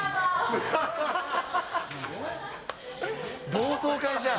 同窓会じゃん。